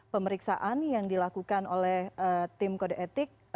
pemeriksaan yang dilakukan oleh tim kode etik